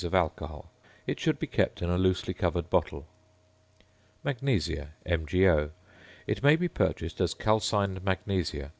of alcohol. It should be kept in a loosely covered bottle. ~Magnesia~, MgO. It may be purchased as "calcined magnesia."